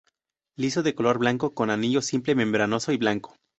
Liso de color blanco, con anillo simple membranoso y blanco.